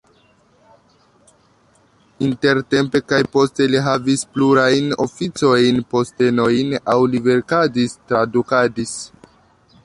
Intertempe kaj poste li havis plurajn oficojn, postenojn aŭ li verkadis, tradukadis.